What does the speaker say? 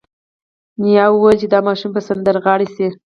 نیا یې وویل چې دا ماشوم به سندرغاړی شي